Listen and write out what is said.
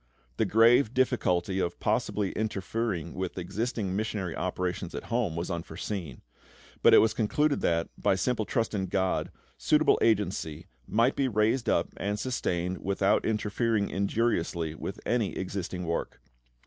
The grave difficulty of possibly interfering with existing missionary operations at home was foreseen; but it was concluded that, by simple trust in GOD, suitable agency might be raised up and sustained without interfering injuriously with any existing work.